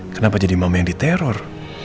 kenapa jadi mama yang diteror